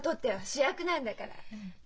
主役なんだから。